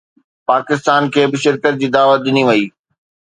پاڪستان کي به شرڪت جي دعوت ڏني وئي